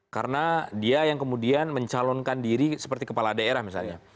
karena dia yang kemudian mencalonkan diri seperti kepala daerah misalnya